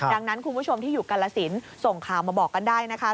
ดังนั้นคุณผู้ชมที่อยู่กาลสินส่งข่าวมาบอกกันได้นะคะ